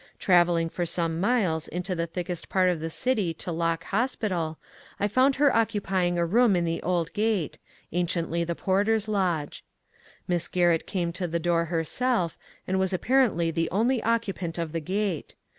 Travelling for some miles into the thickest part of the city to Lock Hospital, I found her occupying a room in the old Grate, — anciently the porter's lodge. Miss Garrett came to the door herself, and was apparently the only occupant of the Gate.